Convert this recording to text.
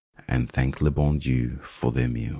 And thank le bon Dieii for their meal.